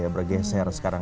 sudah bergeser sekarang